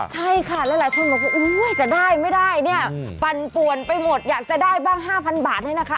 ใช่ค่ะหลายคนบอกว่าจะได้ไม่ได้เนี่ยปั่นป่วนไปหมดอยากจะได้บ้าง๕๐๐บาทเนี่ยนะคะ